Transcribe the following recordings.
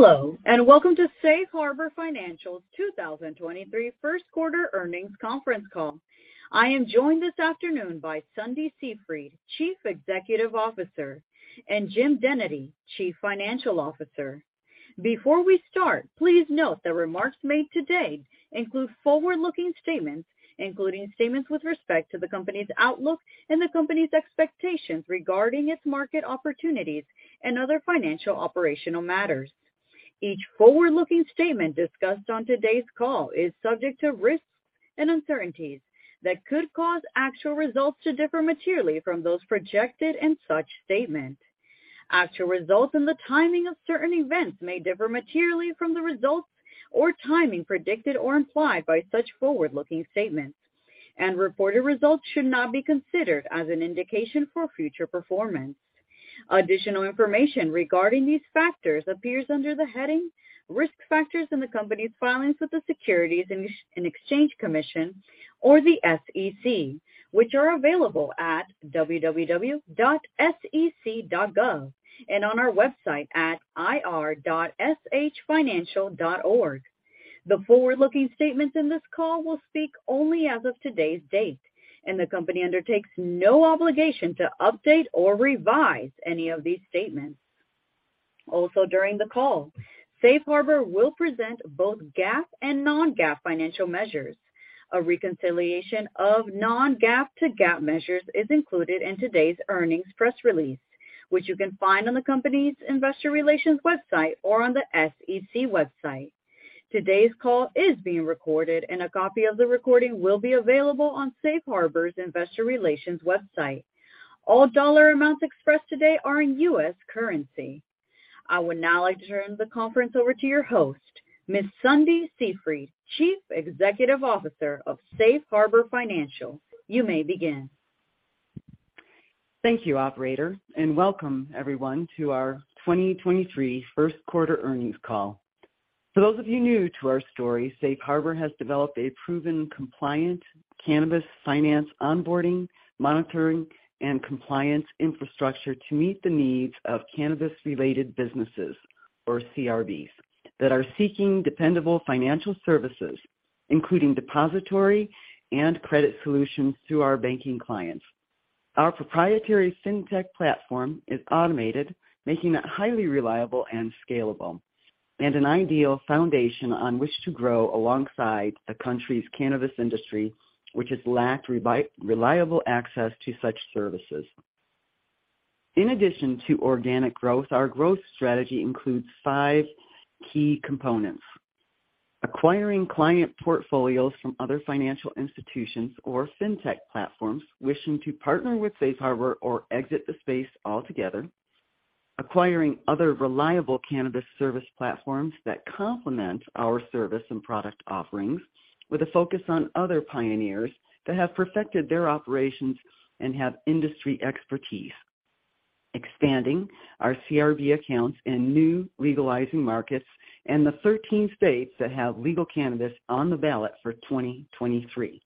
Hello, and welcome to Safe Harbor Financial's 2023 first quarter earnings conference call. I am joined this afternoon by Sundie Seefried, Chief Executive Officer, and Jim Dennedy, Chief Financial Officer. Before we start, please note that remarks made today include forward-looking statements, including statements with respect to the company's outlook and the company's expectations regarding its market opportunities and other financial operational matters. Each forward-looking statement discussed on today's call is subject to risks and uncertainties that could cause actual results to differ materially from those projected in such statement. Actual results and the timing of certain events may differ materially from the results or timing predicted or implied by such forward-looking statements. Reported results should not be considered as an indication for future performance. Additional information regarding these factors appears under the heading Risk Factors in the company's filings with the Securities and Exchange Commission or the SEC, which are available at www.sec.gov and on our website at ir.shfinancial.org. The forward-looking statements in this call will speak only as of today's date, and the company undertakes no obligation to update or revise any of these statements. During the call, Safe Harbor will present both GAAP and non-GAAP financial measures. A reconciliation of non-GAAP to GAAP measures is included in today's earnings press release, which you can find on the company's investor relations website or on the SEC website. Today's call is being recorded, and a copy of the recording will be available on Safe Harbor's investor relations website. All dollar amounts expressed today are in US currency. I would now like to turn the conference over to your host, Ms. Sundie Seefried, Chief Executive Officer of Safe Harbor Financial. You may begin. Thank you, operator, welcome everyone to our 2023 first quarter earnings call. For those of you new to our story, Safe Harbor has developed a proven compliant cannabis finance onboarding, monitoring, and compliance infrastructure to meet the needs of cannabis-related businesses or CRBs that are seeking dependable financial services, including depository and credit solutions through our banking clients. Our proprietary fintech platform is automated, making it highly reliable and scalable, an ideal foundation on which to grow alongside the country's cannabis industry, which has lacked reliable access to such services. In addition to organic growth, our growth strategy includes five key components. Acquiring client portfolios from other financial institutions or fintech platforms wishing to partner with Safe Harbor or exit the space altogether. Acquiring other reliable cannabis service platforms that complement our service and product offerings with a focus on other pioneers that have perfected their operations and have industry expertise. Expanding our CRB accounts in new legalizing markets and the 13 states that have legal cannabis on the ballot for 2023.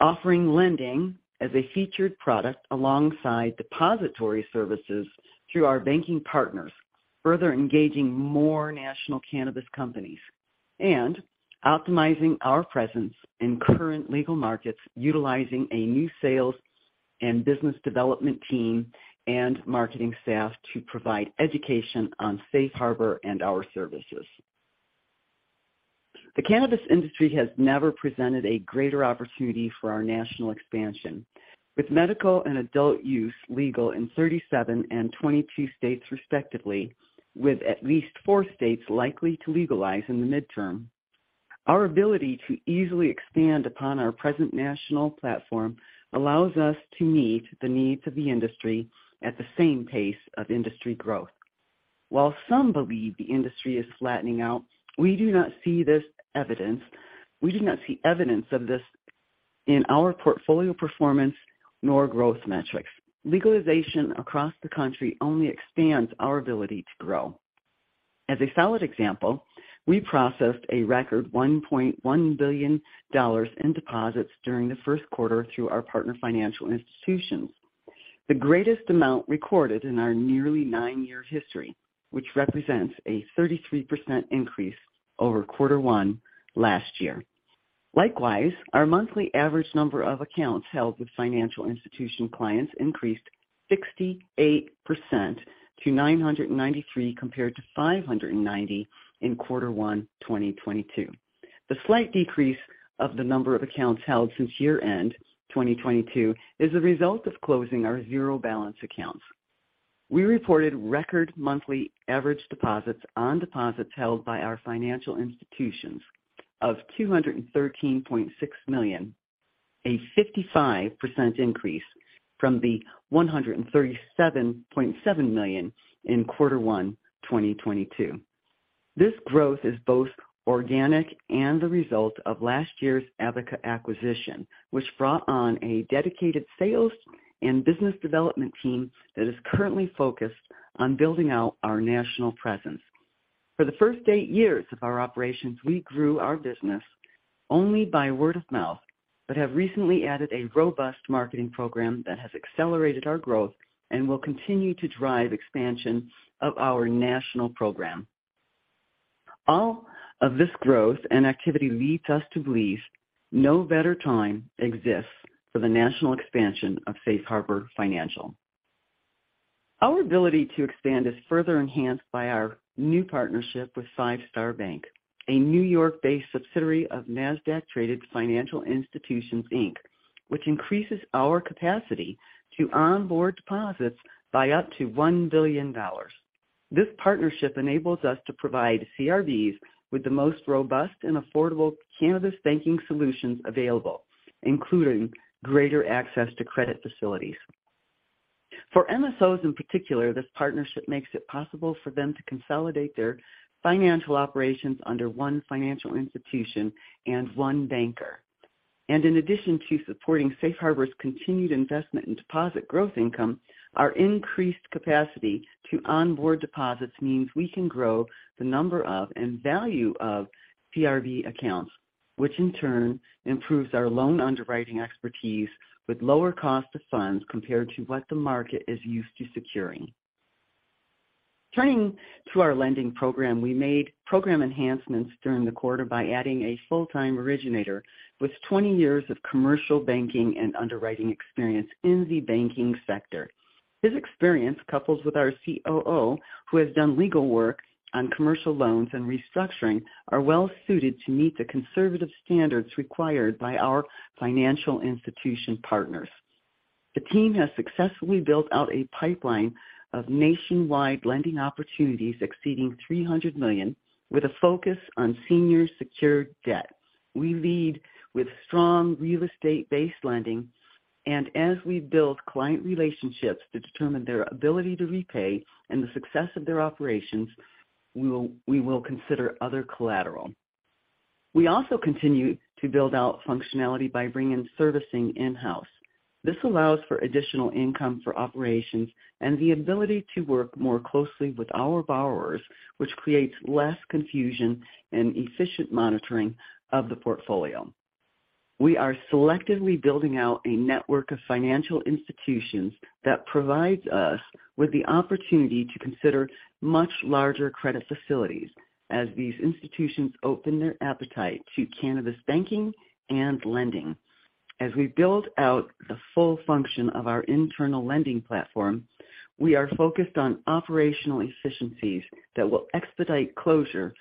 Offering lending as a featured product alongside depository services through our banking partners, further engaging more national cannabis companies. Optimizing our presence in current legal markets, utilizing a new sales and business development team and marketing staff to provide education on Safe Harbor and our services. The cannabis industry has never presented a greater opportunity for our national expansion. With medical and adult use legal in 37 and 22 states respectively, with at least four states likely to legalize in the midterm. Our ability to easily expand upon our present national platform allows us to meet the needs of the industry at the same pace of industry growth. While some believe the industry is flattening out, we do not see this evidence. We do not see evidence of this in our portfolio performance nor growth metrics. Legalization across the country only expands our ability to grow. As a solid example, we processed a record $1.1 billion in deposits during the first quarter through our partner financial institutions, the greatest amount recorded in our nearly nine-year history, which represents a 33% increase over quarter one last year. Likewise, our monthly average number of accounts held with financial institution clients increased 68% to 993 compared to 590 in quarter one 2022. The slight decrease of the number of accounts held since year-end 2022 is a result of closing our zero balance accounts. We reported record monthly average deposits on deposits held by our financial institutions of $213.6 million, a 55% increase from the $137.7 million in quarter one 2022. This growth is both organic and the result of last year's Abaca acquisition, which brought on a dedicated sales and business development team that is currently focused on building out our national presence. For the first eight years of our operations, we grew our business only by word of mouth, have recently added a robust marketing program that has accelerated our growth and will continue to drive expansion of our national program. All of this growth and activity leads us to believe no better time exists for the national expansion of Safe Harbor Financial. Our ability to expand is further enhanced by our new partnership with Five Star Bank, a New York-based subsidiary of Nasdaq traded Financial Institutions, Inc. Which increases our capacity to onboard deposits by up to $1 billion. This partnership enables us to provide CRBs with the most robust and affordable cannabis banking solutions available, including greater access to credit facilities. For MSOs in particular, this partnership makes it possible for them to consolidate their financial operations under one financial institution and one banker. In addition to supporting Safe Harbor's continued investment in deposit growth income, our increased capacity to onboard deposits means we can grow the number of and value of CRB accounts, which in turn improves our loan underwriting expertise with lower cost of funds compared to what the market is used to securing. Turning to our lending program, we made program enhancements during the quarter by adding a full-time originator with 20 years of commercial banking and underwriting experience in the banking sector. His experience, coupled with our COO, who has done legal work on commercial loans and restructuring, are well suited to meet the conservative standards required by our financial institution partners. The team has successfully built out a pipeline of nationwide lending opportunities exceeding $300 million, with a focus on senior secured debt. We lead with strong real estate-based lending. As we build client relationships to determine their ability to repay and the success of their operations, we will consider other collateral. We also continue to build out functionality by bringing servicing in-house. This allows for additional income for operations and the ability to work more closely with our borrowers, which creates less confusion and efficient monitoring of the portfolio. We are selectively building out a network of financial institutions that provides us with the opportunity to consider much larger credit facilities as these institutions open their appetite to cannabis banking and lending. As we build out the full function of our internal lending platform, we are focused on operational efficiencies that will expedite closure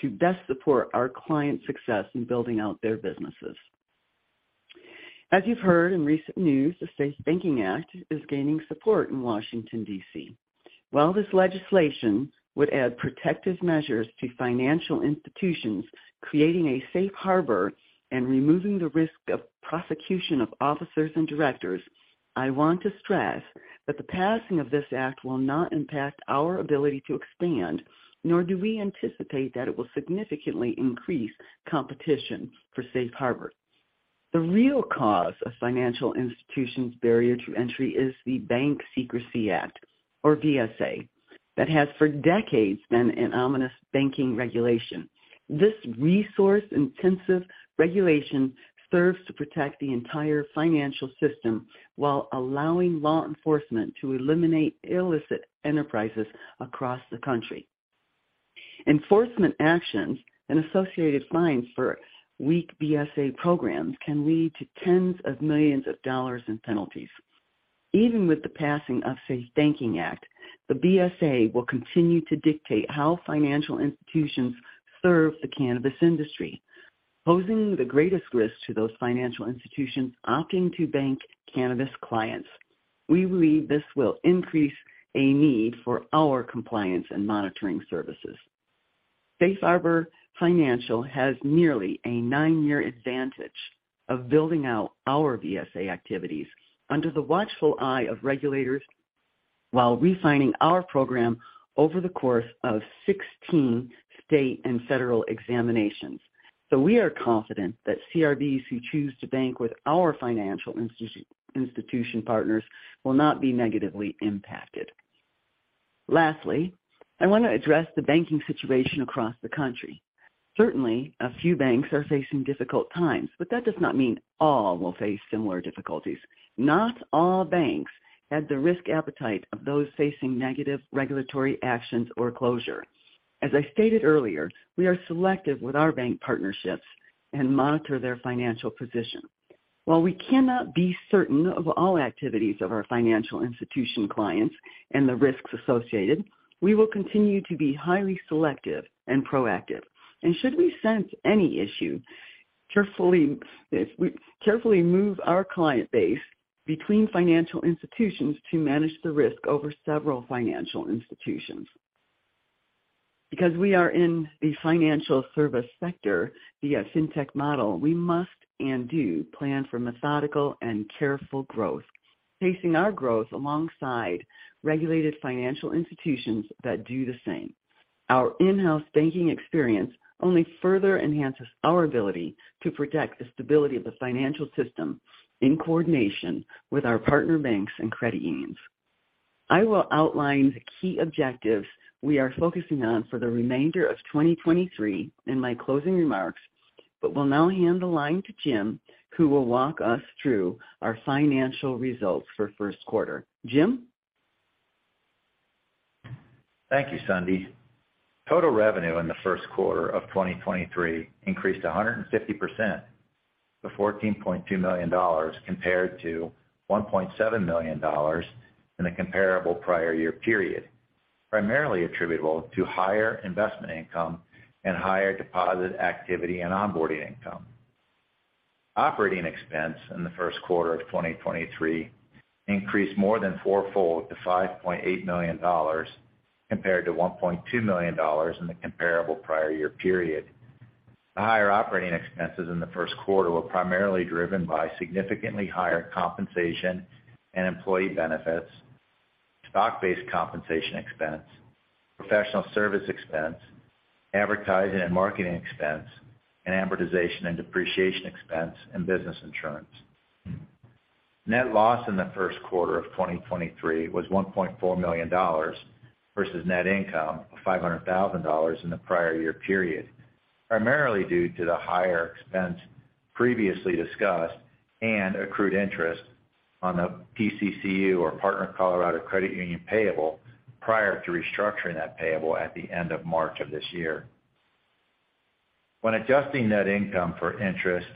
to best support our clients' success in building out their businesses. As you've heard in recent news, the SAFE Banking Act is gaining support in Washington, D.C. While this legislation would add protective measures to financial institutions, creating a safe harbor and removing the risk of prosecution of officers and directors, I want to stress that the passing of this act will not impact our ability to expand, nor do we anticipate that it will significantly increase competition for Safe Harbor. The real cause of financial institutions' barrier to entry is the Bank Secrecy Act, or BSA, that has for decades been an ominous banking regulation. This resource-intensive regulation serves to protect the entire financial system while allowing law enforcement to eliminate illicit enterprises across the country. Enforcement actions and associated fines for weak BSA programs can lead to tens of millions of dollars in penalties. Even with the passing of the SAFE Banking Act, the BSA will continue to dictate how financial institutions serve the cannabis industry, posing the greatest risk to those financial institutions opting to bank cannabis clients. We believe this will increase a need for our compliance and monitoring services. Safe Harbor Financial has nearly a nine-yearyear advantage of building out our BSA activities under the watchful eye of regulators while refining our program over the course of 16 state and federal examinations. We are confident that CRBs who choose to bank with our financial institution partners will not be negatively impacted. Lastly, I want to address the banking situation across the country. Certainly, a few banks are facing difficult times, but that does not mean all will face similar difficulties. Not all banks had the risk appetite of those facing negative regulatory actions or closure. As I stated earlier, we are selective with our bank partnerships and monitor their financial position. While we cannot be certain of all activities of our financial institution clients and the risks associated, we will continue to be highly selective and proactive. Should we sense any issue, carefully move our client base between financial institutions to manage the risk over several financial institutions. Because we are in the financial service sector via fintech model, we must and do plan for methodical and careful growth, pacing our growth alongside regulated financial institutions that do the same. Our in-house banking experience only further enhances our ability to protect the stability of the financial system in coordination with our partner banks and credit unions. I will outline the key objectives we are focusing on for the remainder of 2023 in my closing remarks, but will now hand the line to Jim, who will walk us through our financial results for first quarter. Jim? Thank you, Sundie. Total revenue in the first quarter of 2023 increased 150% to $14.2 million compared to $1.7 million in the comparable prior year period, primarily attributable to higher investment income and higher deposit activity and onboarding income. Operating expense in the first quarter of 2023 increased more than four-fold to $5.8 million compared to $1.2 million in the comparable prior year period. The higher operating expenses in the first quarter were primarily driven by significantly higher compensation and employee benefits, stock-based compensation expense, professional service expense, advertising and marketing expense, and amortization and depreciation expense and business insurance. Net loss in the first quarter of 2023 was $1.4 million versus net income of $500,000 in the prior year period, primarily due to the higher expense previously discussed and accrued interest on the PCCU or Partner Colorado Credit Union payable prior to restructuring that payable at the end of March of this year. When adjusting net income for interest,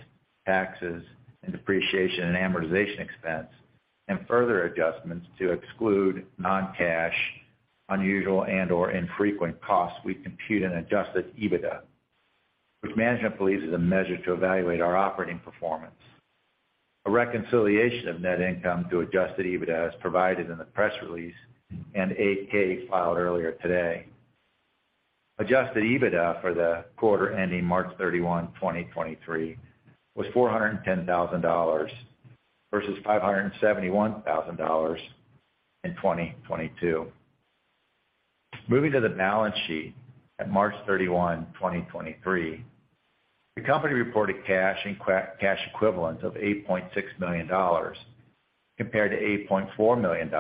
taxes, and depreciation and amortization expense and further adjustments to exclude non-cash, unusual and/or infrequent costs, we compute an adjusted EBITDA, which management believes is a measure to evaluate our operating performance. A reconciliation of net income to adjusted EBITDA is provided in the press release and 8-K filed earlier today. Adjusted EBITDA for the quarter ending March 31, 2023 was $410,000 versus $571,000 in 2022. Moving to the balance sheet at March 31, 2023, the company reported cash and cash equivalents of $8.6 million compared to $8.4 million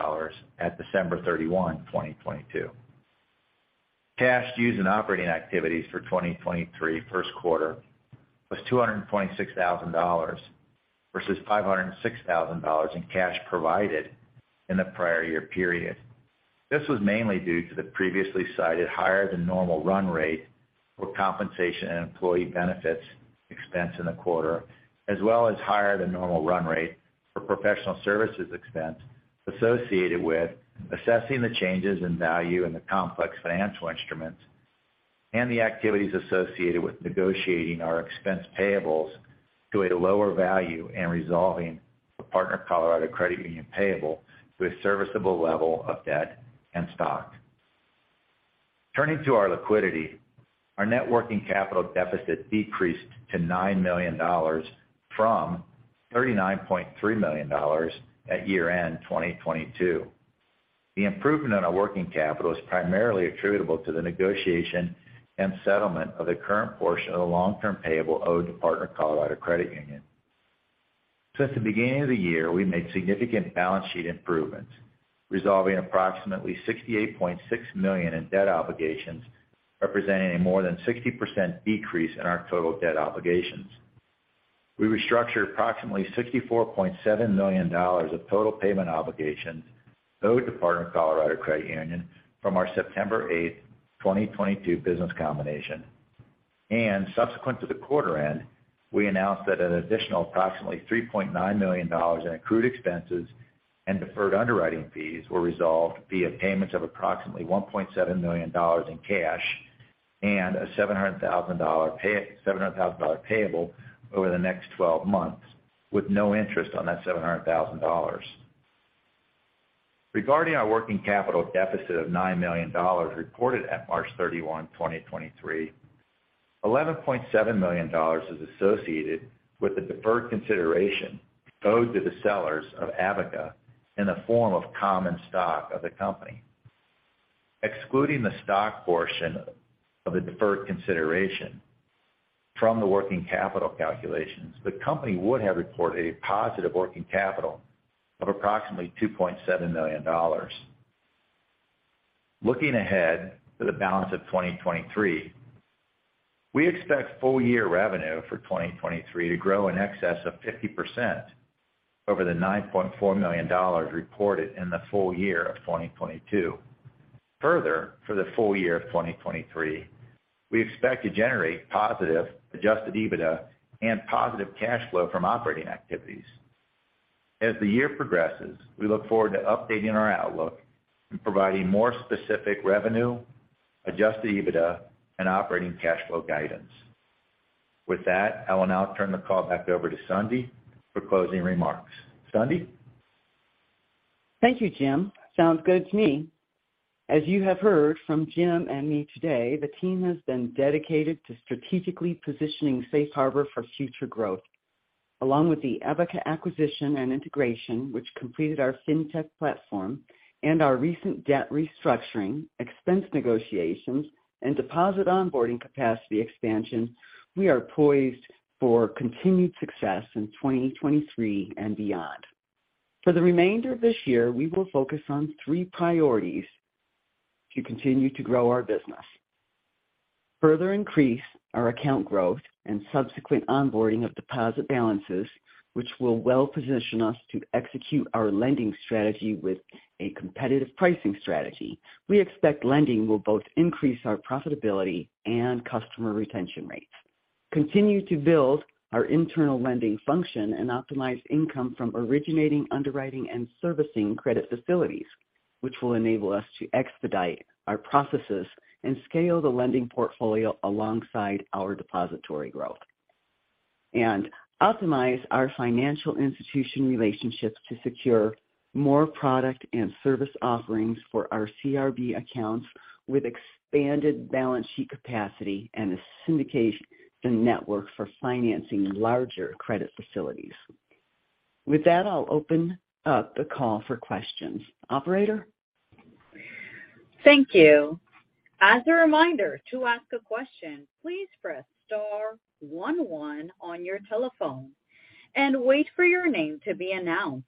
at December 31, 2022. Cash used in operating activities for 2023 first quarter was $226,000 versus $506,000 in cash provided in the prior year period. This was mainly due to the previously cited higher than normal run rate for compensation and employee benefits expense in the quarter, as well as higher than normal run rate for professional services expense associated with assessing the changes in value in the complex financial instruments and the activities associated with negotiating our expense payables to a lower value and resolving the Partner Colorado Credit Union payable to a serviceable level of debt and stock. Turning to our liquidity, our net working capital deficit decreased to $9 million from $39.3 million at year-end 2022. The improvement in our working capital is primarily attributable to the negotiation and settlement of the current portion of the long-term payable owed to Partner Colorado Credit Union. Since the beginning of the year, we've made significant balance sheet improvements, resolving approximately $68.6 million in debt obligations, representing a more than 60% decrease in our total debt obligations. We restructured approximately $64.7 million of total payment obligations owed to Partner Colorado Credit Union from our September 8, 2022 business combination. Subsequent to the quarter end, we announced that an additional approximately $3.9 million in accrued expenses and deferred underwriting fees were resolved via payments of approximately $1.7 million in cash and a $700,000 payable over the next 12 months, with no interest on that $700,000. Regarding our working capital deficit of $9 million reported at March 31, 2023, $11.7 million is associated with the deferred consideration owed to the sellers of Abaca in the form of common stock of the company. Excluding the stock portion of the deferred consideration from the working capital calculations, the company would have reported a positive working capital of approximately $2.7 million. Looking ahead to the balance of 2023, we expect full year revenue for 2023 to grow in excess of 50% over the $9.4 million reported in the full year of 2022. For the full year of 2023, we expect to generate positive Adjusted EBITDA and positive cash flow from operating activities. As the year progresses, we look forward to updating our outlook and providing more specific revenue, Adjusted EBITDA, and operating cash flow guidance. With that, I will now turn the call back over to Sundie for closing remarks. Sundie? Thank you, Jim. Sounds good to me. As you have heard from Jim and me today, the team has been dedicated to strategically positioning Safe Harbor for future growth. Along with the Abaca acquisition and integration, which completed our fintech platform, and our recent debt restructuring, expense negotiations, and deposit onboarding capacity expansion, we are poised for continued success in 2023 and beyond. For the remainder of this year, we will focus on three priorities to continue to grow our business. Further increase our account growth and subsequent onboarding of deposit balances, which will well position us to execute our lending strategy with a competitive pricing strategy. We expect lending will both increase our profitability and customer retention rates. Continue to build our internal lending function and optimize income from originating, underwriting and servicing credit facilities, which will enable us to expedite our processes and scale the lending portfolio alongside our depository growth. Optimize our financial institution relationships to secure more product and service offerings for our CRB accounts with expanded balance sheet capacity and a syndication network for financing larger credit facilities. With that, I'll open up the call for questions. Operator? Thank you. As a reminder, to ask a question, please press star one one on your telephone and wait for your name to be announced.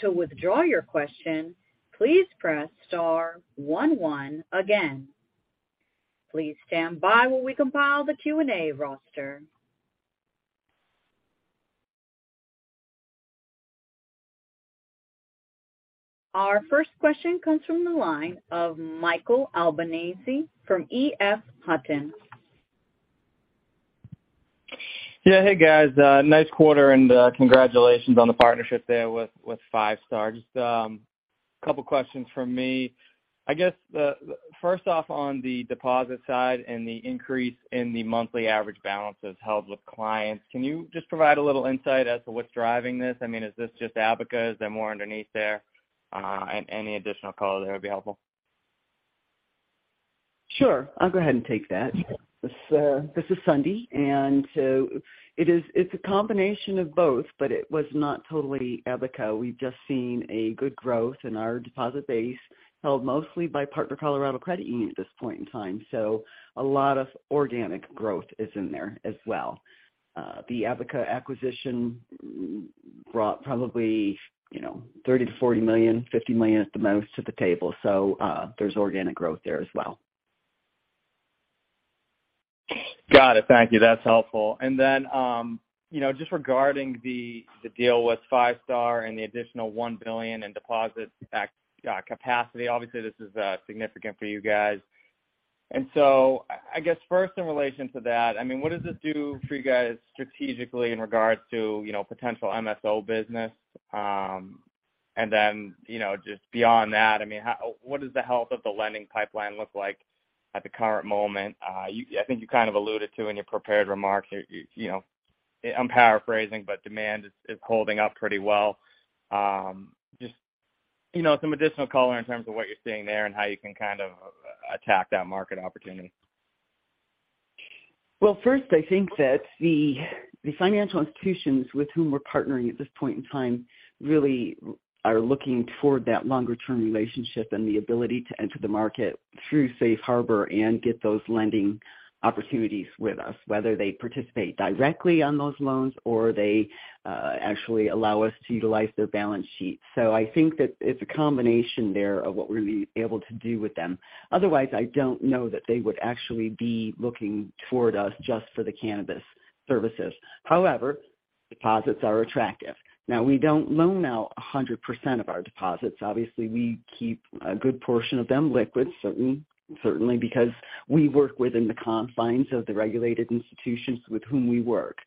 To withdraw your question, please press star one one again. Please stand by while we compile the Q&A roster. Our first question comes from the line of Michael Albanese from EF Hutton. Yeah. Hey, guys, nice quarter. Congratulations on the partnership there with Five Star. Just a couple questions from me. I guess, first off, on the deposit side and the increase in the monthly average balances held with clients, can you just provide a little insight as to what's driving this? I mean, is this just Abaca? Is there more underneath there? Any additional color there would be helpful. Sure. I'll go ahead and take that. This, this is Sundie. It's a combination of both, but it was not totally Abaca. We've just seen a good growth in our deposit base, held mostly by Partner Colorado Credit Union at this point in time. A lot of organic growth is in there as well. The Abaca acquisition brought probably, you know, $30 million-$40 million, $50 million at the most to the table. There's organic growth there as well. Got it. Thank you. That's helpful. Then, you know, just regarding the deal with Five Star and the additional $1 billion in deposit capacity. Obviously, this is significant for you guys. So I guess first in relation to that, I mean, what does this do for you guys strategically in regards to, you know, potential MSO business? Then, you know, just beyond that, I mean, what does the health of the lending pipeline look like at the current moment? I think you kind of alluded to in your prepared remarks, you know, I'm paraphrasing, but demand is holding up pretty well. Just, you know, some additional color in terms of what you're seeing there and how you can kind of attack that market opportunity. First, I think that the financial institutions with whom we're partnering at this point in time really are looking toward that longer-term relationship and the ability to enter the market through Safe Harbor and get those lending opportunities with us, whether they participate directly on those loans or they actually allow us to utilize their balance sheet. I think that it's a combination there of what we're able to do with them. Otherwise, I don't know that they would actually be looking toward us just for the cannabis services. However, deposits are attractive. We don't loan out 100% of our deposits. Obviously, we keep a good portion of them liquid, certainly because we work within the confines of the regulated institutions with whom we work.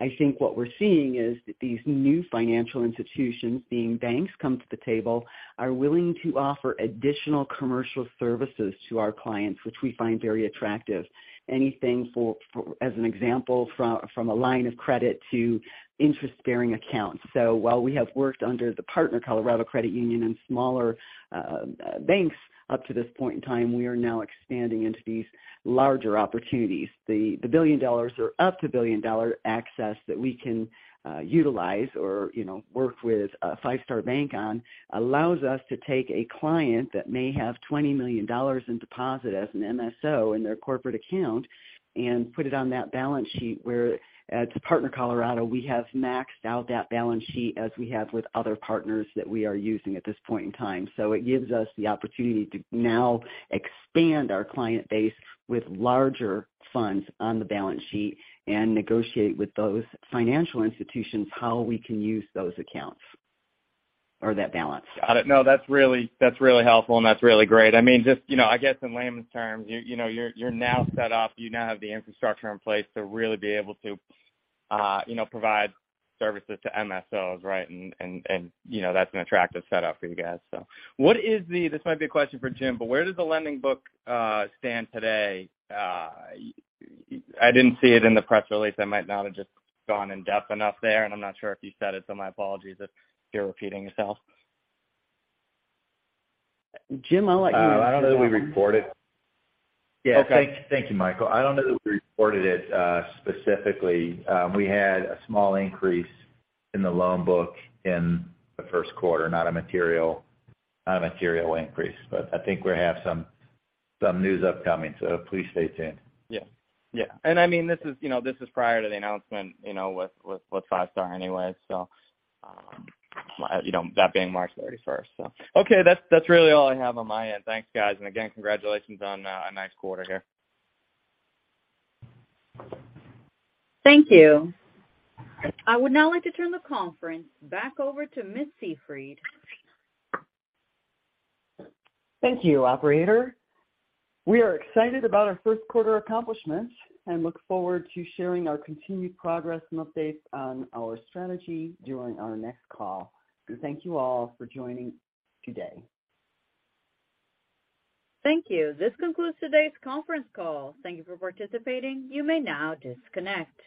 I think what we're seeing is that these new financial institutions, being banks, come to the table, are willing to offer additional commercial services to our clients, which we find very attractive. Anything for as an example, from a line of credit to interest-bearing accounts. While we have worked under the Partner Colorado Credit Union and smaller banks up to this point in time, we are now expanding into these larger opportunities. The $1 billion or up to $1 billion access that we can utilize or, you know, work with Five Star Bank on, allows us to take a client that may have $20 million in deposit as an MSO in their corporate account and put it on that balance sheet, where at Partner Colorado, we have maxed out that balance sheet as we have with other partners that we are using at this point in time. It gives us the opportunity to now expand our client base with larger funds on the balance sheet and negotiate with those financial institutions how we can use those accounts or that balance. Got it. No, that's really, that's really helpful, and that's really great. I mean, just, you know, I guess in layman's terms, you know, you're now set up, you now have the infrastructure in place to really be able to, you know, provide services to MSOs, right? You know, that's an attractive setup for you guys. This might be a question for Jim, but where does the lending book stand today? I didn't see it in the press release. I might not have just gone in-depth enough there, and I'm not sure if you said it, so my apologies if you're repeating yourself. Jim, I'll let you answer that one. I don't know that we reported. Okay. Yeah. Thank you, Michael. I don't know that we reported it specifically. We had a small increase in the loan book in the first quarter, not a material increase. I think we have some news upcoming, please stay tuned. Yeah. Yeah. I mean, this is, you know, this is prior to the announcement, you know, with, with Five Star anyway, so, you know, that being March 31st. Okay, that's really all I have on my end. Thanks, guys. Again, congratulations on a nice quarter here. Thank you. I would now like to turn the conference back over to Ms. Seefried. Thank you, operator. We are excited about our first quarter accomplishments and look forward to sharing our continued progress and updates on our strategy during our next call. Thank you all for joining today. Thank you. This concludes today's conference call. Thank you for participating. You may now disconnect.